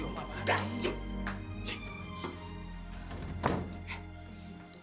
makasih om apaan sih